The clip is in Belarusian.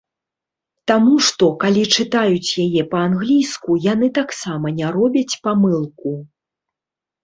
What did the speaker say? Таму што, калі чытаюць яе па-англійску, яны таксама не робяць памылку.